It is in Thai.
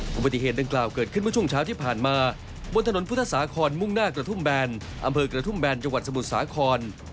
อุบัติเหตุดังกล่าวเกิดขึ้นเมื่อช่วงเช้าที่ผ่านมาบนถนนพุทธสาครมุ่งหน้ากระทุ่มแบนอำเภอกระทุ่มแบนจังหวัดสมุทรสาคร